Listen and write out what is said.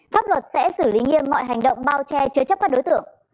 pháp luật sẽ xử lý nghiêm mọi hành động bao che chứa chấp các đối tượng